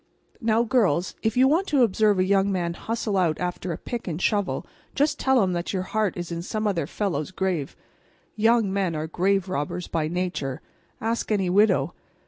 Now, girls, if you want to observe a young man hustle out after a pick and shovel, just tell him that your heart is in some other fellow's grave. Young men are grave robbers by nature. Ask any widow.